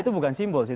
itu bukan simbol sih